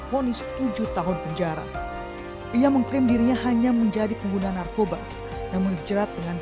menjalani tujuh tahun penjara ia mengklaim dirinya hanya menjadi pengguna narkoba yang menjerat dengan